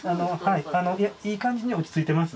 いやいい感じに落ち着いてます。